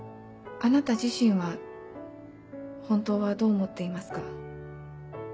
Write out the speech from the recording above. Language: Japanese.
あなた自身は本当はどう思っていますか？